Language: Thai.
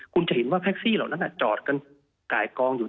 คุณจะเห็นว่าแท็กซี่เหล่านั้นจอดกันไก่กองอยู่